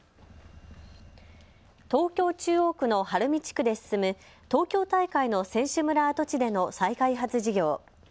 東京中央区の晴海地区で進む東京大会の選手村跡地での再開発事業。